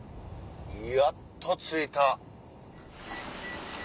やっと着いた！